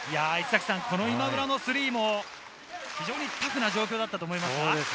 今村のスリーも非常にタフな状況だったと思います。